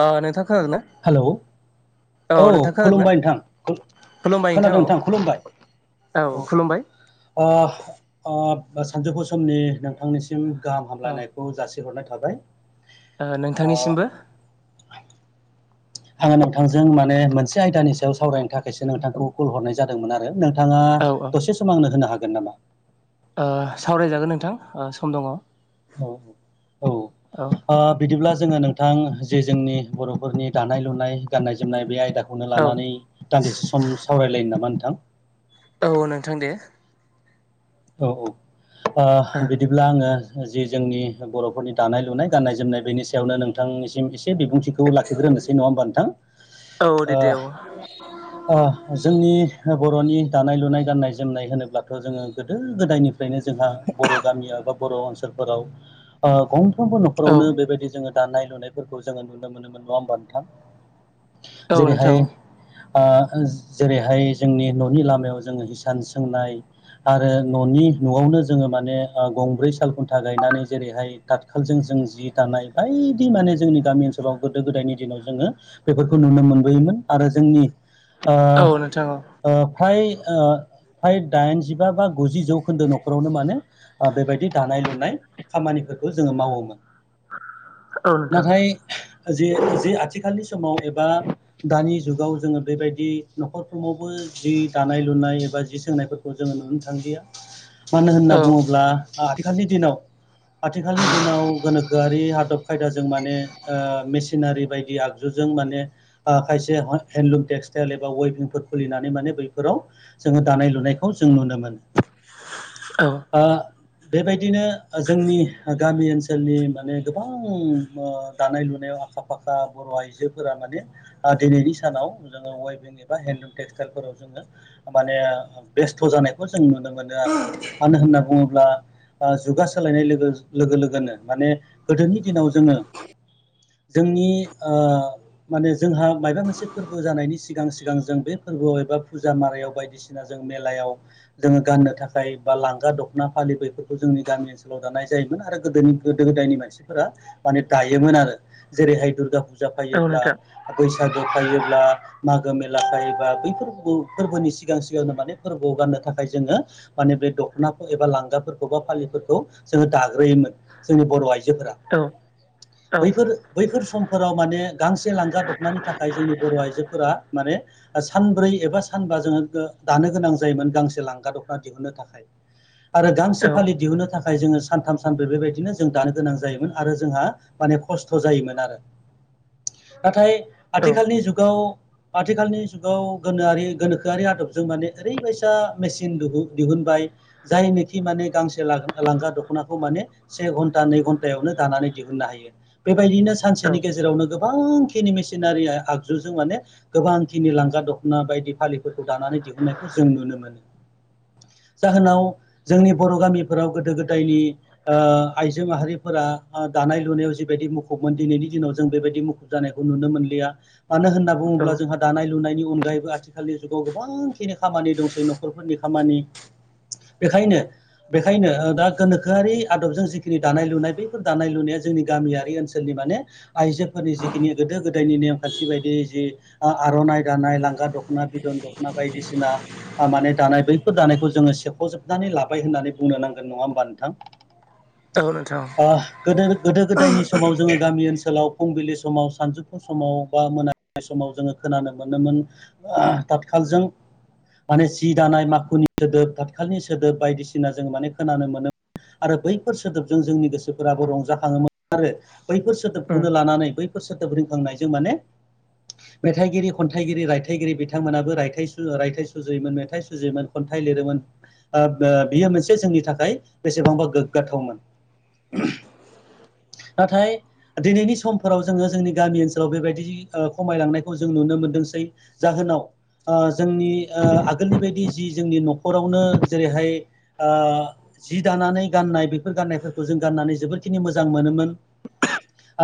आ नोंथां खोनादों ना? हेलौ औ खुलुमबाय नोंथां खुलुमबाय खोनादों औ नोंथां खुलुमबाय औ आ आ ओ सानजौफु समनि नोंथांनिसिम गाहाम औ हामलायनायखौ जासिहरनाय थाबाय। ओ नोंथांनिसिमबो। आङो नोंथांजों माने मोनसे आयदानि सायाव सावरायनो थाखायसो नोंथांखौ कल हरनाय जादोंमोन आरो नोंथां ङा औ औ दसे सम आंनो होनो हागोन नामा? ओ सावरायजागोन नोंथां सम दङ। औ औ औ ओ बिदिब्ला जोङो नोंथां जे जोंनि बर'फोरनि दानाय लुनाय गान्नाय जोमनाय बे आयदाखौ खौनो औ लानानै दान्दिसे सम सावरायलायनो नामा नोंथां? औ नोंथां दे औ औ ओ बिदिब्ला आङो जि जोंनि बर'फोरनि दानाय लुनाय गाननाय जोमनाय बेनि सायावनो नोंथांनिसिम एसे बिबुंथिखौ लाखिग्रोनोसै नङा होमबा नोंथां औ दे दे औ ओ ओ जोंनि बर'नि दानाय लुनाय गाननाय जोमनाय होनोब्लाथ' जोङो गोदो गोदायनिफ्रायनो जोंहा बर' गामियाव बा बर' ओनसोल फोराव ओ गंफ्रोमबो औ न'खरावनो बेबायदि जोङो दानाय लुनायफोरखौ जोङो नुनो मोनोमोन नङा होमबा नोंथां। औ नोंथां जेरैहाय ओ जेरैहाय जोंनि न'नि लामायाव जोङो हिसान सोंनाय आरो न'नि न'आवनो जोङो माने ओ गंब्रै साल खुन्था गायनानै जेरैहाय दाथखालजों जों जि दानाय बायदि माने जोंनि गामि ओनसोलाव गोदो गोदायनि दिनाव जोङो बेफोरखौ नुनो मोनबोयोमोन आरो जोंनि ओ औ नोंथां औ ओ फ्राय ओ फ्राय दाइनजि जिबा बा गुजि जौखोन्दो न'खरावनो माने बेबायदि दानाय लुनाय खामानिफोरखौ जोङो मावोमोन औ नोथां नाथाय जे जे आथिखालनि समाव एबा दानि जुगाव जोङो बेबायदि न'खर समावबो जि दानाय लुनाय एबा जि सोंनायफोरखौ जोङो नुनो थांलिया मानो होनना औ बुङोब्ला आथिखालनि दिनाव आथिखालनि दिनाव गोनोखोआरि आदब खायदाजों माने ओ मेसिनारि बायदि आगजु जों माने ओ खायसे हेनदलूम टेक्सटेल एबा उइबिंफोर खुलिनानै माने बैफोराव जों दानाय लुनायखौ जों नुनो मोनो औ ओ बेबायदिनो जोंनि गामि ओनसोलनि माने गोबां दानाय लुनायाव आखा फाखा बर' आइजोफोरा माने ओ दिनैनि सानाव जोङो वाइबिं एबा हेन्दलुम टेक्सटाइल फोराव जोङो माने बेस्थ' जानायखौ जों नुनो मोनो आरो मानो होनना बुङोब्ला जुगा सोलायनाय लोगो लोगो लोगोनो माने गोदोनि दिनाव जोङो जोंनि ओ माने जोंहा मायोबा मोनसे फोरबो जानायनि सिगां सिगां जों बे फोरबोआव एबा फुजा मारायाव बायदिसिना जों मेलायाव जोङो गाननो थाखाय बा लांगा दख'ना फालि बैफोरखौ जोंनि गामि ओनसोलाव दानाय जायो आरो गोदोनि गोदो गोदायनि मानसिफोरा माने दायोमोन आरो जेरैहाय दुर्गा फुजा औ जाफायोब्ला नोंथां [unintelligible] बैसागु फायोब्ला मागो मेला फायोब्ला बैफोर फोरबोनि सिगां सि नो माने फोरबोआव गाननो थाखाय जोङो माने बे दख'नाखौ एबा लांगाफोरखौ बा फालिफोरखौ जोङो दाग्रोयोमोन जोंनि बर' आइजोफोरा औ औ बैफोर बैफोर समफोराव माने गांसे लांगा दखनानि थाखाय जोंनि बर' आइजोफोरा माने सानब्रै एबा सानबा जोङो दानो गोनां जायोमोन गांसे लांगा दख'ना दिहुननो थाखाय आरो गांसे औ फालि दिहुननो थाखाय जोङो सानथाम सानब्रै बेबायदिनो जों दानो गोनां जायोमोन आरो जोंहा माने खस्थ' जायोमोन आरो नाथाय औ आथिखालनि जुगाव आथिखालनि जुगाव गोनोखोआरि आदब ओरैबायसा मेसिन दिहुनबाय जायनाखि माने गांसे लांगा दखना खौ माने से घनटा नै घनटानि गेजेराव दानानै दिहुननो हायो बेबायदिनो सानसेनि गेजेरावनो गोबां गोबांनि मेसिनारि आगजुजों माने गोबांखिनि लांगा दखना बायदि फालिफोरखौ दानानै दिहुननायखौ जों नुनो मोनो। जाहोनाव जोंनि बर' गामिफोराव गोदो गोदायनि आइजो माहारिफोरा दानाय लुनायाव जिबायदि मुखुबमोन दिनैनि दिनाव जों बेबायदि मुुब जानायखौ नुनो मोनलिया मानो होनना औ बुङोब्ला जोंहा दानाय लुनायनि अनगायैबो आथिखालनि जुगाव गोबां बेखिनि खामानि दंसै न'खरफोरनि खामानि बेखायनो बेखायनो दा गोनोखोआरि आदबजों जिखिनि दानाय लुनाय बैफोर दानाय लुनाया जोंनि गामियारि ओनसोलनि माने आइजोफोरनि जिखिनि गोदो गोदायनि नेमखान्थि बायदि जि आर'नाइ दानाय लांगा दख'ना बिदन दख'ना बायदिसिना माने दानाय बैफोर दानायखौ जोङो सेख'जोबनानै लाबाय होननानै बुंनो नांगोन नङा होमबा? नोंथां औ नोंथां अ गोदो गोदो गोदायनि समाव जोङो गामि ओनसोलाव फुंबिलि समाव सानजौफु समाव बा मोनाबिलि समाव जोङो खोनानो मोनोमोन ओ तातखालजों माने जि दानाय माखुनि सोदोब थाथखालनि सोदोब बायदिसिना जों माने खोनानो मोनो आरो बैफोर सोदोबजों जोंनि गोसोफोराबो रंजाखाङोमोन आरो बैफोर उम सोदोबखौनो लानानै बैफोर सोदोब रोंखांनायजों माने मेथाइगिरि खन्थाइगिरि रायथाइगिरि बिथांमोनाबो रायथाइ रायथाइ सुजुयोमोन मेथाइ सुजुयोमोन खन्थाइ लिरोमोन बेयो मोनसे ओ जोंनि थाखाय बेसेबांबा गोग्गाथावमोन। नाथाय दिनैनि समफोराव जोङो जोंनि गामि ओनसोलाव बेबायदि खमायलांनायखौ जों नुनो मोनो। दोंसै जाहोनाव ओ जोंनि ओ आगोलनि बायदि जि जोंनि न'खरावनो जेरैहाय ओ जि दानानै गाननाय बेफोर गाननायफोरखौ जों गाननानै जोबोरखिनि मोजां मोनोमोन।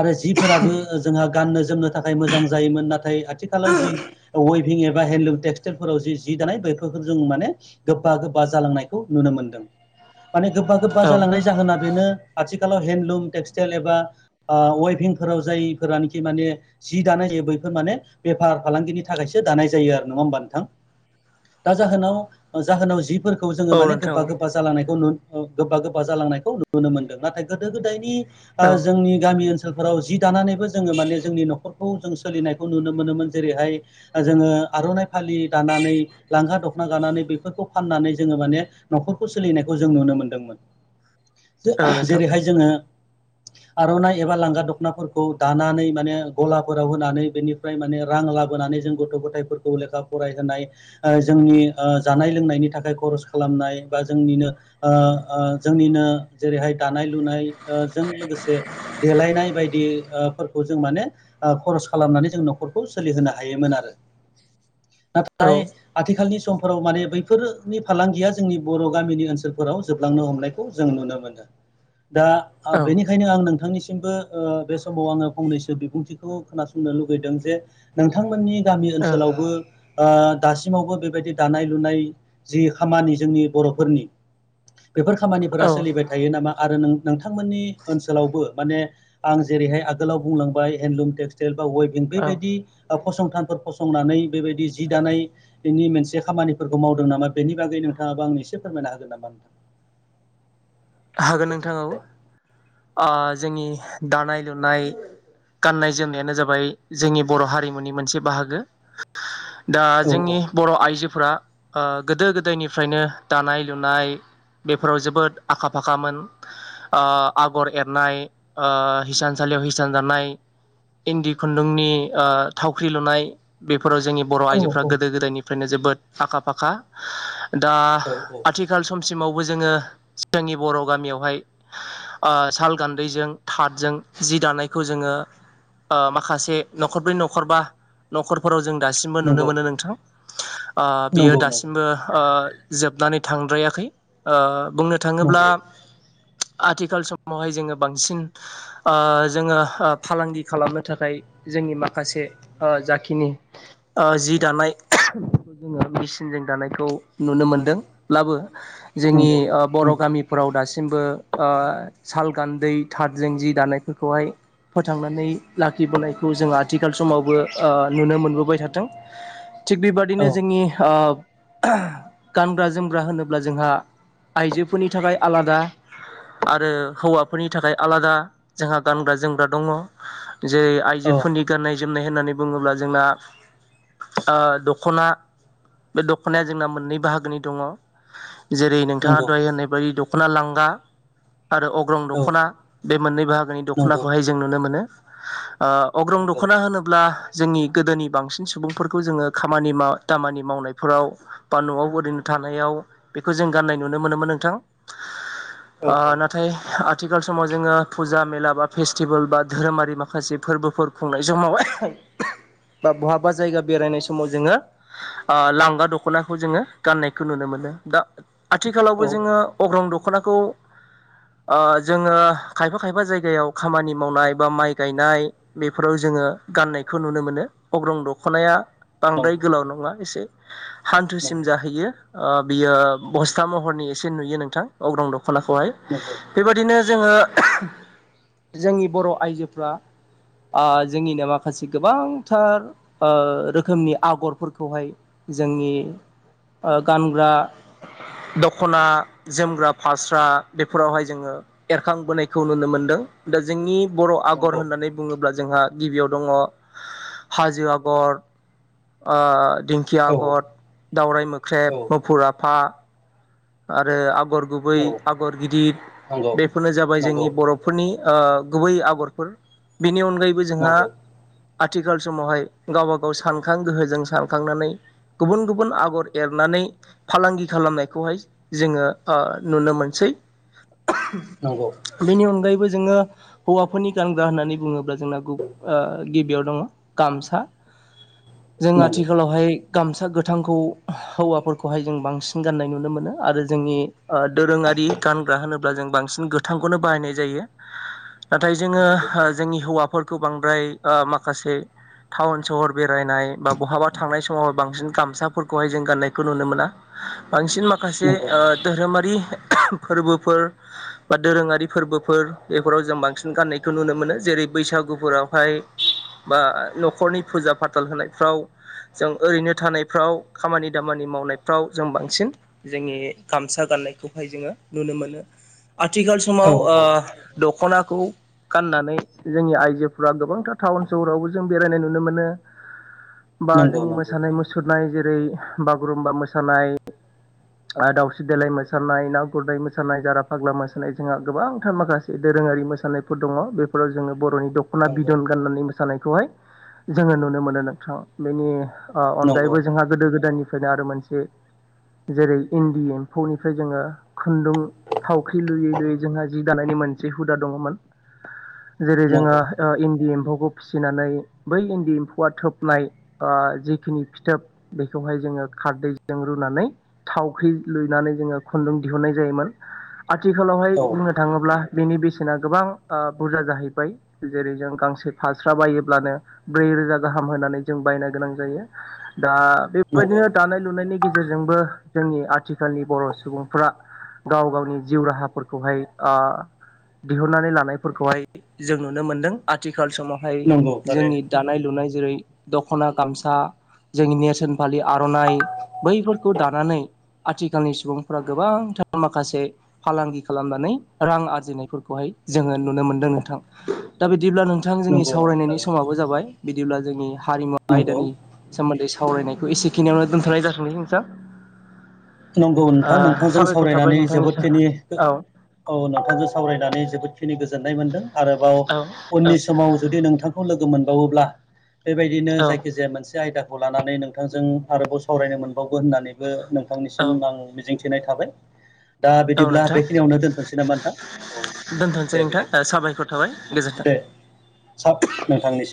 आरो जिफोराबो जोंहा गाननो जोमनो थाखाय मोजां जायोमोन नाथाय आथिखालाव जि वे भिं एबा हेलुम टेक्सटलफोराव जि जि दानाय बेफोरखौ जों माने गोबा गोबा जालांनायखौ नुनो मोन्दों। माने गोबा गोबा औ जालांनाय जाहोना बेनो आथिखालाव हेन्दलुम टेक्स टाइल एबा ओ वेभिंफोराव जायफोरानोखि माने जि दानाय जायो बैफोर माने बेफार फालांगिनि थाखायसो दानाय जायो आरो नङा होमबा नोंथां? दा जाहोनाव जाहोनाव जिस फोर खौ जोङो औ माने नोंथां गोबबा गोबबा जालांनायखौ नु गोबबा गोबबा जालांनायखौ नुनो मोनदों नाथाय गोदो-गोदायनि ओ औ जोंनि गामि ओनसोलफोराव जि दानानैबो जोङो माने जोंनि न'खर जों सोलिनायखौ नुनो मोनोमोन जेरैहाय जोङो आर'नाइ फालि दानानै लांगा दख खना गानानै बेफोरखौ फाननानै जोङो माने न'खरखौ सोलिनायखौ जों नुनो औ मोनदोंमोन। नोंथां जेरैहाय जोङो आर'नाइ एबा लांगा दख'नाफोरखौ दानानै माने ग'लाफोराव होनानै बेनिफ्राय माने रां लाबोनानै जों गथ' गथायफोरखौ लेखा फरायहोनाय ओ जोंनि ओ जानाय-लोंनायनि थाखाय खर'स खा खालामनाय बा जोंनिनो ओ ओ जोंनिनो जेरैहाय दानाय-लुनाय ओ जों लोगोसे देलायनाय बायदि ओ फो जों माने ओ खर'स खालामनानै जों न'खरखौ सोलिहोनो हायोमोन आरो औ नाथाय आथिखालनि समफोराव माने बैफोरनि फालांगिया जोंनि बर' गामिनि ओनसोलफोराव जोबलांनो हमनायखौ जों नुनो मोनो। दा औ बेनिखायनो आं नोंथांनि मबो ओ बे समाव आङो फंनैसो बिबुंथिखौ खोनासंनो लुगैदों जे नोंथांमोननि गामि ओनसोलावबो ओ दासिमावबो बेबायदि दानाय-लुनाय जि खामानि जोंनि बर'फोरनि बेफोर खामानिफोरा औ सोलिबाय थायो नामा आरो नों बिथांमोननि ओनसोलावबो माने आं जेरैहाय आगोलाव बुंलांबाय हेन्दलुम टेक्सटाइल वेबिं औ बेबायदि फसंथानफोर फसंनानै बेबायदि जि दानायनि मोनसे खामानिफोरखौ मावदों नामा बेनि बागै नोंथाङाबो आंनो इसे फोरमायना होगोन नामा? हागोन गाननाय-जोमनायानो जाबाय जोंनि बर' हारिमुनि मोनसे बाहागो दा औ जोंनि औ बर' आइजो फोरा आखा-फाखामोन ओ आगर एरनाय ओ हिसानसालियाव हिसान दानाय इन्दि खुन्दुंनि ओ थावख्रि लुनाय बे फोराव जोंनि बर' आइजोफ्रा गोदो-गोदायनिफ्रायनो जोबोद आखा-फाखा दा औ औ आथिखाल समसिमावबो जोङो जोंनि बर' गामियावहाय ओ साल गान्दैजों थादजों जि दानायखौ जोङो ओ माखासे न'खरब्रै न'खरबा न'खरफोराव जों दासिमबो नुनो नंगौ मोनो नोंथां ओ बियो नंगौ नंगौ दासिमबो जोबनानै थांद्रायाखै ओ बुंनो थाङोब्ला नंगौ आथिखाल समावहाय जोङो बांसिन ओ जोङो फालांगि खालामनो थाखाय जोंनि माखासे ओ जाखिनि ओ जि दानाय जोङो मिचिनजों दानायखौ नुनो मोनदोंब्लाबो जोंनि नंगौ ओ बर' नंगौ औ दासिमबो ओ साल गान्दै थादजों जि दानायफोरखौहाय फोथांनानै लाखिबोनायखौ जों आथिखाल समावबो ओ नुनो मोनबोबाय थादों थिग औ बेबादिनो जोंनि ओ गानग्रा-जोमग्रा होनोब्ला जोंहा आइजोफोरनि थाखाय आलादा आरो हौवाफोरनि थाखाय आलादा जोंहा गानग्रा-जोमग्रा दङ' जेरै औ आइजोफोरनि गाननाय-जोमनाय होननानै बुङोब्ला जोंना ओ दख'ना बे दख'नाया जोंना मोननै बाहागोनि दङ' जेरै नोंथाङा नंगौ दहाय होननाय बायदि दख'ना लांगा आरो अग्रं औ दख'ना बे मोननै बाहागोनि नंगौ दख'नाखौहाय जों नुनो मोनो ओ अग्रं नंगौ दख'ना होनोब्ला जोंनि गोदोनि बांसिन सुबुंफोरखौ जोङो खामानि दामानि मावनायफोराव बा न'आव ओरैनो थानाय थानायानायाव बेखौ जों गाननाय नुनो मोनोमोन नोंथां औ ओ औ नाथाय आ आथिखाल समाव जोङो फुजा मेला बा फेस्टिभेल बा धोरोमारि माखासे फोरबोफोर खुंनाय समावहाय बा बहाबा जायगा बेरायनाय समाव जोङो लांगा दख'नाखौ जोङो गाननायखौ नुनो मोनो दा औ आथिखालावबो जोङो अग्रं दख'नाखौ जोङो खायफा खायफा जायगायाव खामानि मावनाय बा माइ गायनाय बेफोराव जों जोङो गाननायखौ नुनो मोनो अग्रं दख'नाया बांद्राय नंगौ गोलाव नङा एसे नंगौ हान्थुसिम जाहैयो ओ बियो बस्था महरनि एसे नुयो नोंथां अग्रं दख ख'नाखौहाय नंगौ बेबादिनो जोङो जोंनि बर' आइजोफ्रा ओ जोंनिनो माखासे गोबांथार ओ रोखोमनि आगरफोरखौहाय जोंनि ओ गानग्रा दख'ना जोमग्रा फास्रा बेफोरावहाय जोङो एरखांबोनायखौ नुनो मोनदों दा जोंनि बर' नंगौ आगर होननानै बुङोब्ला जोंहा गिबियाव दङ हाजो आगर आ दिंखिया औ आगर दावराय मोख्रेब औ मुफुर आफा आरो आगर गुबै औ आगर गिदिर नंगौ बेफोरनो जाबाय नंगौ जोंनि बर'फोरनि ओ गुबै आगरफोर बेनि अनगायैबो जोंहा नंगौ आथिखाल समावहाय गावबा गाव सानखां गोहोजों सानखांनानै गुबुन गुबुन आगर एरनानै फालांगि खालामनायखौहाय जोङो ओ नुनो मोनसै नंगौ बेनि अनगायैबो जोङो हौवाफोरनि गानग्रा होननानै बुङोब्ला जोंना गुब बेयाव दङ गामसा जों नंगौ आथिखालावहाय गामसा गोथांखौ हौवाफोरखौहाय जों बांसिन गाननाय नुनो मोनो। आरो जोंनि ओ दोरोङारि गानग्रा होनोब्ला जों बांसिन गोथांखौनो बाहायनाय जायो। [inaudible] नाथाय जोङो नंगौ जोंनि हौवाफोरखौ बांद्राय ओ माखासे टाउन सहर बेरायनाय बा बहाबा थांनाय समाव बांसिन गामसाफोरखौहाय जों गाननायखौ नुनो मोना। बांसिन माखासे नंगौ ओ धोरोमारि फोरबोफोर बा दोरोङारि फोरबोफोर बेफोराव जों बांसिन गाननायखौ नुनो मोनो जेरै बैसागुफोरावहाय बा न'खरनि फुजा फाथाल होनायफ्राव जों ओरैनो थानायफ्राव खामानि दामानि नि मावनायफ्राव जों बांसिन जोंनि गामसा गाननायखौहाय जोङो नुनो मोनो। आथिखाल औ समाव ओ औ दख'ना खौ गाननानै जोंनि आइजोफ्रा गोबांथार टाउन सहरावबो जों बेरायनाय नुनो मोनो। [inaudible] बा जोंनि नंगौ मोसानाय मुसुरनाय जेरै बागुरुम्बा मोसानाय दाउस्रि देलाय मोसानाय ना गुरनाय मोसानाय जारा फाग्ला मोसानाय जोंहा गोबांथार माखासे दोरोङारि मोसानायफोर दङ बेफोराव जोङो बर'नि दख दख'ना नंगौ बिदन गाननानै मोसानायखौहाय जोङो नुनो मोनो नोंथां बेनि ओ नंगौ नंगौ अनगायैबो जोंहा गोदो गोदायनिफ्रायनो आरो मोनसे जेरै इन्दि एम्फौनिफ्राय जोङो खुन्दुं थावख्रि लुयै लुयै जोंहा जि दानायनि मोनसे हुदा दङ मोन [inaudible] जेरै जोङो ओ इन्दि एम्फौ फिसिनानै बै इन्दि एम्फौआ थोबनाय ओ जिखिनि फिथोब बेखौहाय जोङो खारदैजों रुनानै थावख्रि लुनानै जोङो खुन्दुं दिहुननाय जायोमोन। आथिखालावहाय औ बुंनो थाङोब्ला बेनि बेसेना गोबां ओ बुरजा जाहैबाय जेरै जों गां फास्रा बायोब्लानो ब्रै रोजा गाहाम होनानै जों बायनो गोनां जायो। दा नंगौ बेबायदिनो दानाय लुनायनि गेजेरजोंबो जोंनि आथिखालनि बर' सुबुंफ्रा गाव गावनि जिउ राहाफोरखौहाय ओ दिहुननानै लानायफोरखौहाय जों नुनो मोनदों आथि आथिखाल समावहाय नंगौ थारैनो जोंनि दानाय लुनाय जेरै दख'ना गामसा जोंनि नेरसोन फालि आर'नाइ बैफोरखौ दानानै आथिखालनि सुबुंफोरा गोबांथार माखासे फालांगि खालामनानै रां आरजिनायफोरखौ जोङो नुनो मोनदों नोंथां दा बिदिब्ला नोंथां जोंनि नंगौ नंगौ सावरायनायनि थारैनो समाबो जाबाय बिदिब्ला जोंनि हारिमु नंगौ आयदानि सोमोन्दै सावरायनायखौ एसेखिनियावनो दोनथ'नाय जाथोंसै नोंथां। नंगौ नोंथां ओ नोंथांजों साबायखर थाबाय सावरायनानै नोंथांनिसिम जोबोदखिनि औ औ नोंथांजों सावरायनानै जोबोद खिनि गो जोननाय मोनदों आरोबाव औ उननि समाव जुदि नोंथांखौ लोगो मोनबावोब्ला बेबायदिनो औ जायखिजाया मोनसे आयदाखौ लानानै नोंथांजों आरोबाव सावरायनो मोनबावगोन होननानैबो नों औ थांनिसिम आं मिजिंथिनाय थाबाय दा औ बिदिब्ला बेखिनियावनो दोनथोंसै नामा नोंथां औ। दोन्थ'सै दे नोंथां ओ साबायखर थाबाय गोजोन्थों। सा नोंथांनि